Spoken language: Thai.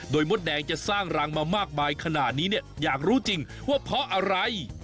โดยมดแดงจะสร้างรังมามากมายขนาดนี้เนี่ยอยากรู้จริงว่าเพราะอะไร